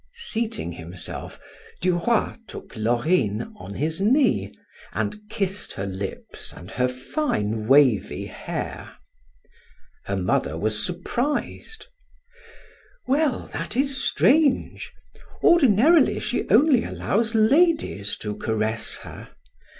Seating himself, Duroy took Laurine upon his knee, and kissed her lips and her fine wavy hair. Her mother was surprised: "Well, that is strange! Ordinarily she only allows ladies to caress her.